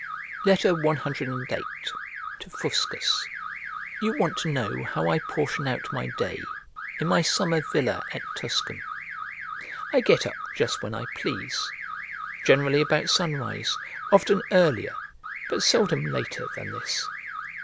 CVIII TO FUSCUS You want to know how I portion out my day, in my summer villa at Tuscum? I get up just when I please; generally about sunrise, often earlier, but seldom later than this.